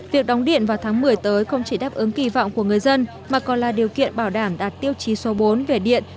việc đóng điện vào tháng một mươi tới không chỉ đáp ứng kỳ vọng của người dân mà còn là điều kiện bảo đảm đạt tiêu chí số bốn về điện